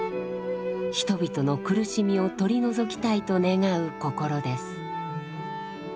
人々の苦しみを取り除きたいと願う心です。